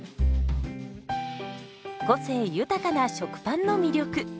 個性豊かな食パンの魅力。